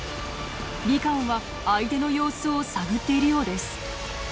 リカオンは相手の様子を探っているようです。